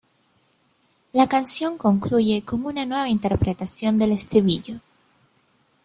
La canción concluye con una nueva interpretación del estribillo.